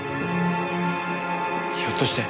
ひょっとして。